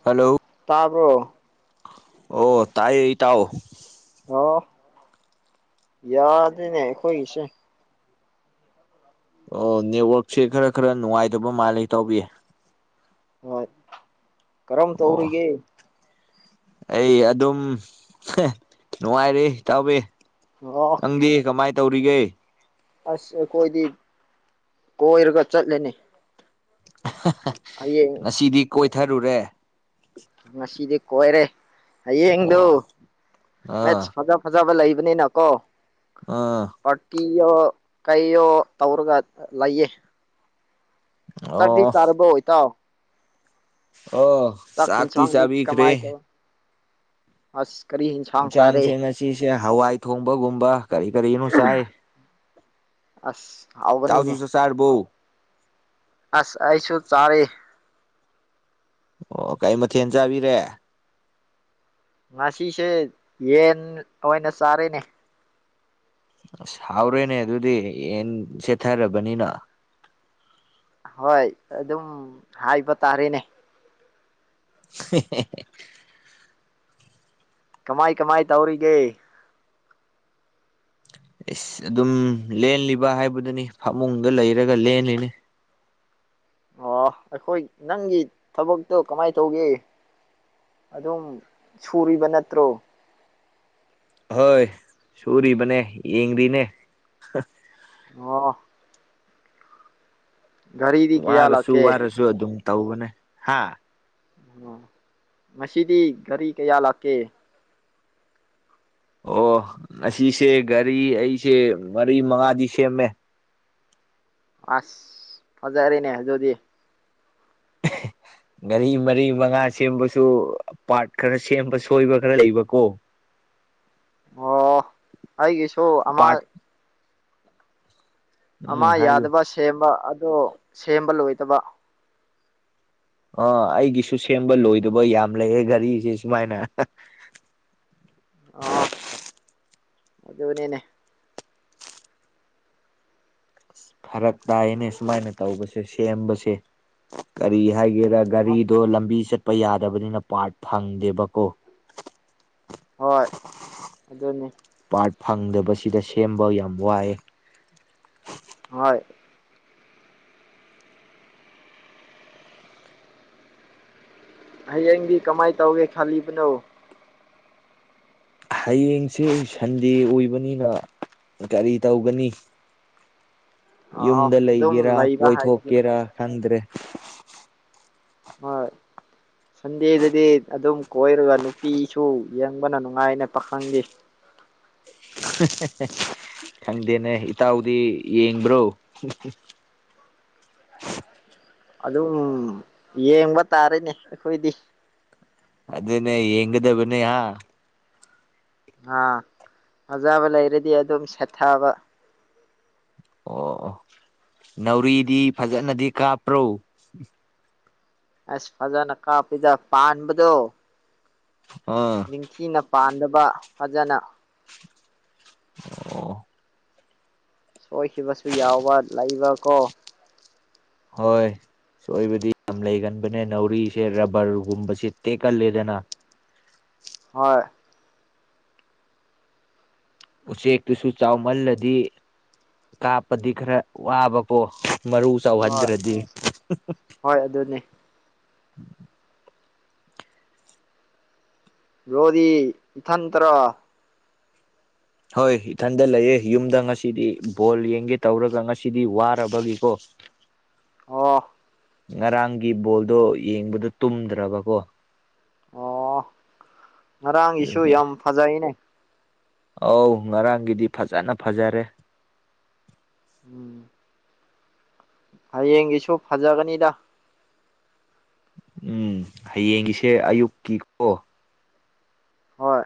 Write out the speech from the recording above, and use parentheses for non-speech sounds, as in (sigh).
hello ꯇꯥꯕ꯭ꯔꯣ ꯑꯣ ꯇꯥꯌꯦ ꯑꯦ ꯏꯇꯥꯎ ꯑꯣ ꯌꯥꯗꯦꯅꯦ ꯑꯩꯈꯣꯏꯒꯤꯁꯦ ꯑꯣ ꯅꯦꯠꯋꯔꯛꯁꯦ ꯈꯔ ꯈꯔ ꯅꯨꯡꯉꯥꯏꯇꯥꯕ ꯃꯥꯜꯂꯤ ꯏꯇꯥꯎꯕꯤ ꯍꯣꯏ ꯀꯔꯝ ꯑꯣ ꯇꯧꯔꯤꯒꯦ ꯑꯩ ꯑꯗꯨꯝ ꯅꯨꯡꯉꯥꯏꯔꯤ ꯇꯥꯎꯕꯤ ꯑꯣ ꯅꯪꯗꯤ ꯀꯃꯥꯏ ꯇꯧꯔꯤꯒꯦ ꯑꯁ ꯑꯩꯈꯣꯏꯗꯤ ꯀꯣꯏꯔꯒ ꯆꯠꯂꯅꯤ ꯍꯥꯍꯥ ꯑꯌꯦꯡ ꯉꯁꯤꯗꯤ ꯀꯣꯏꯊꯔꯨꯔꯦ ꯉꯁꯤꯗꯤ ꯀꯣꯏꯔꯦ ꯍꯌꯦꯡꯗꯨ ꯑꯣ ꯑꯥ ꯃꯦꯠꯁ ꯐꯖꯕ ꯐꯖꯕ ꯂꯩꯕꯅꯤꯅ ꯀꯣ ꯑꯥ ꯄꯔꯇꯤꯌꯣ ꯀꯩꯌꯣ ꯇꯧꯔꯒ ꯂꯩꯌꯦ ꯆꯥꯛꯇꯤ ꯑꯣ ꯆꯥꯔꯔꯕꯣ ꯏꯇꯥꯎ ꯑꯣ ꯆꯥꯛ ꯇꯥ ꯌꯦꯟꯁꯥꯡꯗꯤ ꯆꯥꯕꯤꯈ꯭ꯔꯦ ꯀꯃꯥꯏ ꯇꯧ ꯑꯁ ꯀꯔꯤ ꯏꯟꯁꯥꯡ ꯆꯥꯔꯦ ꯁꯤꯁꯦ ꯍꯋꯥꯏ ꯊꯣꯡꯕꯒꯨꯝꯕ ꯀꯔꯤ ꯀꯔꯤꯅꯣ ꯆꯥꯏ ꯑꯁ ꯏꯇꯥꯎꯁꯨ ꯍꯥꯎꯕꯅꯤꯅꯦ ꯆꯥꯛ ꯆꯥꯔꯕꯣ ꯑꯁ ꯑꯩꯁꯨ ꯆꯥꯔꯤ ꯑꯣ ꯀꯩ ꯃꯊꯦꯟ ꯆꯥꯕꯤꯔꯦ ꯉꯁꯤꯁꯦ ꯌꯦꯟ ꯑꯣꯏꯅ ꯆꯥꯔꯦꯅꯦ ꯑꯁ ꯍꯥꯎꯔꯦꯅꯦ ꯑꯗꯨꯗꯤ ꯌꯦꯟ ꯁꯦꯠꯊꯔꯕꯅꯤꯅ ꯍꯣꯏ ꯑꯗꯨꯝ ꯍꯥꯏꯕ ꯇꯥꯔꯦꯅꯦ (inaudible) ꯀꯃꯥꯏ ꯀꯃꯥꯏ ꯇꯧꯔꯤꯒꯦ ꯏꯁ ꯑꯗꯨꯝ ꯂꯦꯜꯂꯤꯕ ꯍꯥꯏꯕꯗꯨꯅꯤ ꯐꯃꯨꯡꯗ ꯂꯩꯔꯒ ꯂꯦꯜꯂꯤꯅꯤ ꯑꯣ ꯑꯩꯈꯣꯏ ꯅꯪꯒꯤ ꯊꯕꯛꯇꯣ ꯀꯃꯥꯏꯅ ꯇꯧꯒꯦ ꯑꯗꯨꯝ ꯁꯨꯔꯤꯕ ꯅꯠꯇ꯭ꯔꯣ ꯍꯣꯏ ꯁꯨꯔꯤꯕꯅꯦ ꯌꯦꯡꯔꯤꯅꯦ ꯑꯣ ꯒꯥꯔꯤꯗꯤ ꯀꯌꯥ ꯋꯥꯔꯕꯁꯨꯨ ꯂꯥꯛꯀꯦ ꯋꯥꯔꯁꯨ ꯑꯗꯨꯝ ꯇꯧꯕꯅꯦ ꯍꯥꯥ ꯑꯣ ꯉꯁꯤꯗꯤ ꯒꯥꯔꯤ ꯀꯌꯥ ꯂꯥꯛꯀꯦ ꯑꯣ ꯉꯁꯤꯁꯦ ꯒꯥꯔꯤ ꯑꯩꯁꯦ ꯃꯔꯤ ꯃꯉꯥꯗꯤ ꯁꯦꯝꯃꯦ ꯑꯁ ꯐꯖꯔꯦꯅꯦ ꯑꯗꯨꯗꯤ (inaudible) ꯒꯔꯤ ꯃꯔꯤ ꯃꯉꯥ ꯁꯦꯝꯕꯁꯨ ꯄꯥꯔꯠ ꯈꯔ ꯁꯦꯝꯕ ꯁꯣꯏꯕ ꯈꯔ ꯂꯩꯕꯀꯣ ꯑꯩꯒꯤꯁꯣ ꯑꯃ ꯄꯥꯔꯠ ꯎꯝ ꯑꯃ ꯍꯥꯏꯕꯤꯌꯨ ꯌꯥꯗꯕ ꯁꯦꯝꯕ ꯑꯗꯣ ꯁꯦꯝꯕ ꯂꯣꯏꯗꯕ ꯑꯣ ꯑꯩꯒꯤꯁꯨ ꯁꯦꯝꯕ ꯂꯣꯏꯗꯕ ꯌꯥꯝ ꯂꯩꯌꯦ ꯒꯔꯤꯁꯦ ꯁꯨꯃꯥꯏꯅ ꯑꯣ ꯑꯗꯨꯅꯤꯅꯦ ꯐꯔꯛ ꯇꯥꯏꯅꯦ ꯁꯨꯃꯥꯏꯅ ꯇꯧꯕꯁꯦ ꯁꯦꯝꯕꯁꯦ ꯀꯔꯤ ꯍꯥꯏꯒꯦꯔꯥ ꯒꯥꯔꯤꯗꯣ ꯂꯝꯕꯤ ꯆꯠ ꯄ ꯌꯥꯗꯕꯅꯤꯅ ꯄꯥꯔꯠ ꯐꯪꯗꯦꯕꯀꯣ ꯍꯣꯏ ꯑꯗꯨꯅꯤ ꯄꯥꯔꯠ ꯐꯪꯗꯕꯁꯤꯗ ꯁꯦꯝꯕ ꯌꯥꯝ ꯋꯥꯏꯌꯦ ꯍꯣꯏ ꯍꯌꯦꯡꯗꯤ ꯀꯃꯥꯏ ꯇꯧꯒꯦ ꯈꯜꯂꯤꯕꯅꯣ ꯍꯌꯦꯡꯁꯦ ꯁꯟꯗꯦ ꯑꯣꯏꯕꯅꯤꯅ ꯒꯔꯤ ꯇꯧꯒꯅꯤ ꯑꯥꯎ ꯌꯨꯝꯗ ꯑꯗꯨꯝ ꯂꯩꯒꯦꯔꯥ ꯂꯩꯕ ꯍꯥꯏꯗꯨꯅꯤ ꯀꯣꯏꯊꯣꯛꯀꯦꯔꯥ ꯈꯪꯗ꯭ꯔꯦ ꯍꯣꯏ ꯁꯟꯗꯦꯗꯗꯤ ꯑꯗꯨꯝ ꯀꯣꯏꯔꯒ ꯅꯨꯄꯤꯁꯨ ꯌꯦꯡꯕꯅ ꯅꯨꯡꯉꯥꯏꯅ ꯄꯥꯈꯪꯗꯤ ꯈꯪꯗꯦꯅꯦ ꯏꯇꯥꯎꯗꯤ ꯌꯦꯡꯕ꯭ꯔꯣ ꯑꯗꯨꯝ ꯌꯦꯡꯕ ꯇꯥꯔꯅꯦ ꯑꯩꯈꯣꯏꯗꯤ ꯑꯗꯨꯅꯦ ꯌꯦꯡꯒꯗꯕꯅꯦ ꯍꯥ ꯑꯥ ꯐꯖꯥꯕ ꯂꯩꯔꯗꯤ ꯑꯗꯨꯝ ꯁꯦꯠꯊꯕ ꯑꯣ ꯑꯣ ꯅꯧꯔꯤꯗꯤ ꯐꯖꯅꯗꯤ ꯀꯥꯞꯄ꯭ꯔꯣ ꯑꯁ ꯐꯖꯅ ꯀꯥꯞꯄꯤꯗ ꯄꯥꯟꯕꯗꯣ ꯑꯥ ꯅꯤꯡꯊꯤꯅ ꯄꯥꯟꯗꯕ ꯐꯖꯅ ꯑꯣ ꯁꯣꯏꯈꯤꯕꯁꯨ ꯌꯥꯎꯕ ꯂꯩꯕ ꯀꯣ ꯍꯣꯏ ꯁꯣꯏꯕꯗꯤ ꯌꯥꯝ ꯂꯩꯒꯟꯕꯅꯦ ꯅꯥꯎꯔꯤꯁꯦ ꯔꯕꯔꯒꯨꯝꯕꯁꯦ ꯇꯦꯛꯀꯜꯂꯦꯗꯅ ꯍꯣꯏ ꯎꯆꯦꯛꯇꯨꯁꯨ ꯆꯥꯎꯃꯜꯂꯗꯤ ꯀꯥꯞꯄꯗꯤ ꯈꯔ ꯋꯥꯕꯀꯣ ꯃꯔꯨ ꯍꯣꯏ ꯆꯥꯎꯍꯟꯗ꯭ꯔꯥꯗꯤ ꯍꯣꯏ ꯑꯗꯨꯅꯦ ꯕ꯭ꯔꯣꯗꯤ ꯏꯊꯟꯇꯔꯣ ꯍꯣꯏ ꯏꯊꯟꯗ ꯂꯩꯌꯦ ꯌꯨꯝꯗ ꯉꯁꯤꯗꯤ ꯕꯣꯜ ꯌꯦꯡꯒꯦ ꯇꯧꯔꯒ ꯉꯁꯤꯗꯤ ꯋꯥꯔꯕꯒꯤꯀꯣ (inaudible) ꯑꯣ ꯉꯔꯥꯡꯒꯤ ꯕꯣꯜꯗꯣ ꯌꯦꯡꯕꯗꯣ ꯇꯨꯝꯗ꯭ꯔꯕꯀꯣ ꯑꯣ ꯉꯔꯥꯡꯒꯤꯁꯨ ꯑꯗꯨꯒꯤ ꯌꯥꯝ ꯐꯖꯩꯅꯦ ꯑꯧ ꯉꯔꯥꯡꯒꯤꯗꯤ ꯐꯖꯅ ꯐꯖꯔꯦ ꯎꯝ ꯍꯌꯦꯡꯒꯤꯁꯨ ꯐꯖꯒꯅꯤꯗ ꯎꯝ ꯍꯌꯦꯡꯒꯤꯁꯦ ꯑꯌꯨꯛꯀꯤ ꯀꯣ ꯍꯣꯏ